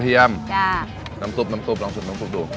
คนที่มาทานอย่างเงี้ยควรจะมาทานแบบคนเดียวนะครับคนที่มาทานแบบคนเดียวนะครับ